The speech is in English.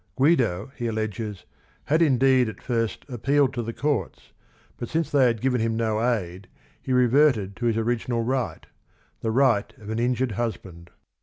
Guido, he alleges, had indeed at first appealed to the courts, but since they had given him no aid he reverted to his original right, — the right of an injured husband.